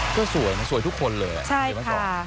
ก็สวยนะสวยทุกคนเลยใช่ค่ะ